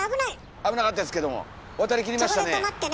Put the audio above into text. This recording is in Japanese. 危なかったですけども渡りきりましたね。